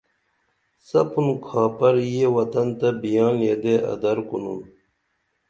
سپُن کھاپر یہ وطن تہ بِیان یدے ادر کُنُن